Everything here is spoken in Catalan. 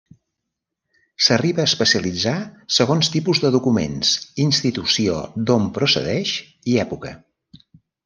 S'arriba a especialitzar segons tipus de documents, institució d'on procedeix, i època.